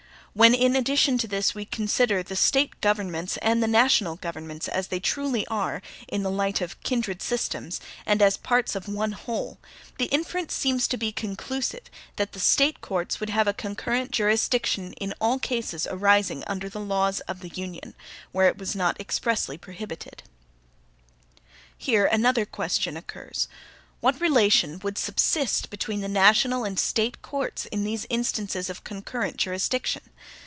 When in addition to this we consider the State governments and the national governments, as they truly are, in the light of kindred systems, and as parts of ONE WHOLE, the inference seems to be conclusive, that the State courts would have a concurrent jurisdiction in all cases arising under the laws of the Union, where it was not expressly prohibited. Here another question occurs: What relation would subsist between the national and State courts in these instances of concurrent jurisdiction?